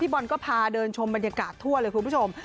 บอลก็พาเดินชมบรรยากาศทั่วเลยคุณผู้ชม